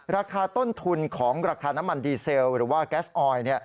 ราคาต้นทุนของราคาน้ำมันดีเซลหรือว่าแก๊สออย